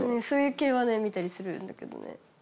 そういう系は見たりするんだけどね。